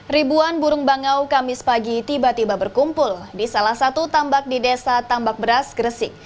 ribuan burung bangau kamis pagi tiba tiba berkumpul di salah satu tambak di desa tambak beras gresik